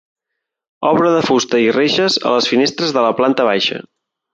Obra de fusta i reixes a les finestres de la planta baixa.